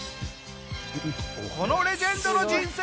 このレジェンドの人生。